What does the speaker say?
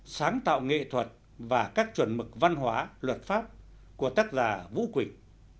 sáng tạo nghệ thuật và các chuẩn mực văn hóa luật pháp của tác giả vũ quỳnh